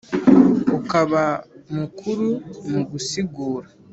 Ukaba mukuru mu gusigura